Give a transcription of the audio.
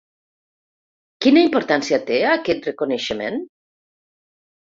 Quina importància té aquest reconeixement?